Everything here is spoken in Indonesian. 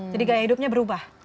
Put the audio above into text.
jadi gaya hidupnya berubah